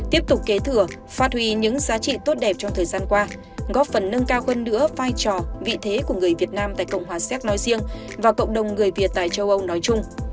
tiếp tục kế thừa phát huy những giá trị tốt đẹp trong thời gian qua góp phần nâng cao hơn nữa vai trò vị thế của người việt nam tại cộng hòa séc nói riêng và cộng đồng người việt tại châu âu nói chung